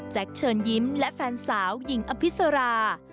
เชิญยิ้มและแฟนสาวหญิงอภิษรา